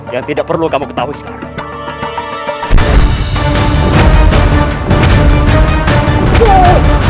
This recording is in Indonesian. yang tidak perlu kamu ketahui sekarang